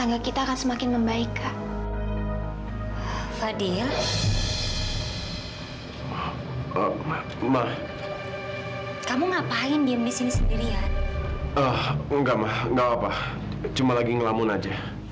enggak ma enggak apa apa cuma lagi ngelamun aja